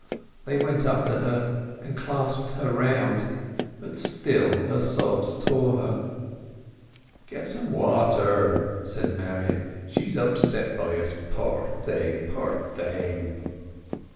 They went up to her and clasped her round, but still her sobs tore her. "Get some water," said Marian, "She's upset by us, poor thing, poor thing!"